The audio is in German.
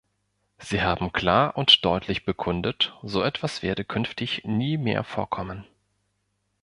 Sie haben klar und deutlich bekundet, so etwas werde künftig nie mehr vorkommen.